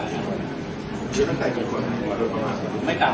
สตูกรรมเป็นหนึ่งคนสูงเดียวกันปะท่าน